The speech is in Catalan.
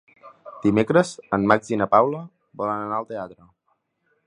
Dimecres en Max i na Paula volen anar al teatre.